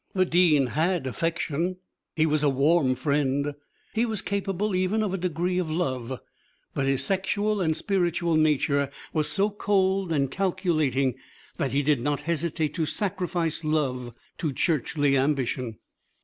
The Dean had affection; he was a warm friend; he was capable even of a degree of love, but his sexual and spiritual nature was so cold and calculating that he did not hesitate to sacrifice love to churchly ambition.